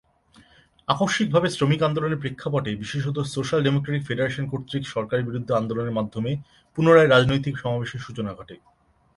আকস্মিকভাবে শ্রমিক আন্দোলনের প্রেক্ষাপটে বিশেষতঃ সোশ্যাল ডেমোক্র্যাটিক ফেডারেশন কর্তৃক সরকারের বিরুদ্ধে আন্দোলনের মাধ্যমে পুনরায় রাজনৈতিক সমাবেশের সূচনা ঘটে।